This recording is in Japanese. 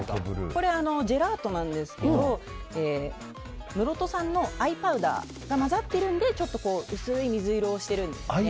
これはジェラートなんですけど室戸産の藍パウダーが混ざってるのでちょっと薄い水色をしているんですね。